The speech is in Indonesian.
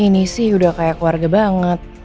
ini sih udah kayak keluarga banget